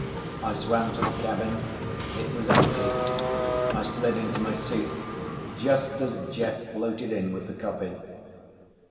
I swam to the cabin. It was empty. I slid into my seat just as Jeff floated in with the coffee.